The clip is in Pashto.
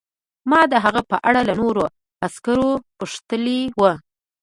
ما د هغه په اړه له نورو عسکرو پوښتلي وو